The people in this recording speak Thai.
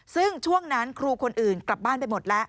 ซึ่งช่วงนั้นครูคนอื่นกลับบ้านไปหมดแล้ว